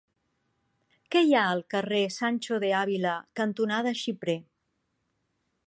Què hi ha al carrer Sancho de Ávila cantonada Xiprer?